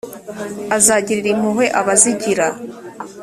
azagirira impuhwe abazigira